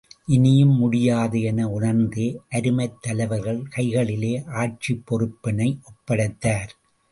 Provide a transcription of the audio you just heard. இனியும் முடியாது என உணர்ந்தே அருமைத் தலைவர்கள் கைகளிலே ஆட்சிப் பொறுப்பினை ஒப்படைத்தார்.